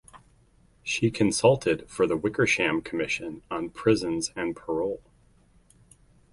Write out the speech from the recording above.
She consulted for the Wickersham Commission on prisons and parole.